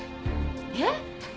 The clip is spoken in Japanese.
えっ？